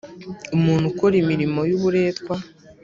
Umuntu ukora imirimo y’uburetwa